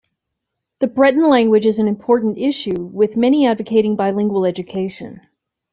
The Breton language is an important issue, with many advocating bilingual education.